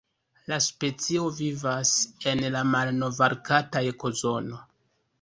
La specio vivas en la Malnov-Arkta ekozono.